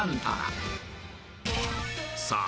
さあ